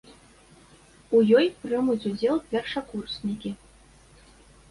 У ёй прымуць удзел першакурснікі.